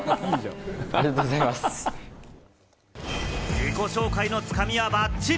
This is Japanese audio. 自己紹介のつかみはばっちり。